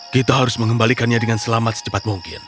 kita harus mengembalikannya dengan selamat secepat mungkin